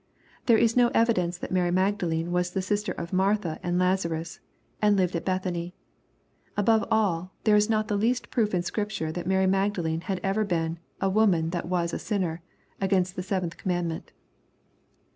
Inhere is no evidence that Mary Magdalene was the sister of Martha and Lazarus, and lived at Bethany. Above all, there is not the least proof in Scripture that Mary Magdalene had ever been *^a woman that was a sinner^' against the seventh command ment.